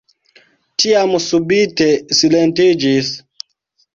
Tiam subite silentiĝis.